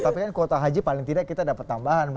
tapi kan kuota haji paling tidak kita dapat tambahan